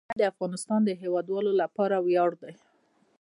پسرلی د افغانستان د هیوادوالو لپاره ویاړ دی.